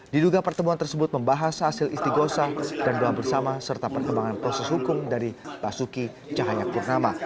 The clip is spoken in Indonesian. diduga pertemuan tersebut membahas hasil isti gosah dan doa bersama serta perkembangan proses hukum dari basuki cahayapurnama